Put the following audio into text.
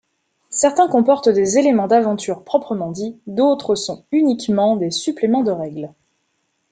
Certains comportent des éléments d'aventure proprement dit, d'autres sont uniquement des suppléments de règles.